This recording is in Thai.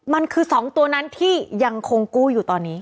มันคือ๒ตัวนั้นที่ยังคงกู้อยู่ตอนนี้